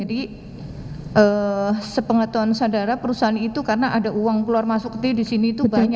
jadi sepengetahuan saudara perusahaan itu karena ada uang keluar masuk ke sini itu banyak ya